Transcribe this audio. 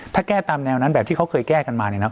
ถ้าแก้ตามแนวนั้นแบบที่เค้าเคยแก้กันมา